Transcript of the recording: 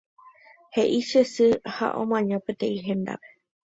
He'i che sy ha omaña peteĩ hendápe.